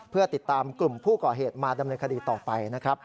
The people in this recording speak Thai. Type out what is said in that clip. เพื่อติดตามกลุ่มผู้ก่อเหตุมาดำเนินคดีต่อไปนะครับ